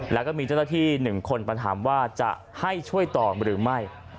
แล้วก็มีเจ้าหน้าที่๑คนมาถามว่าจะให้ช่วยต่อหรือไม่